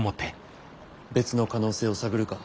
別の可能性を探るか。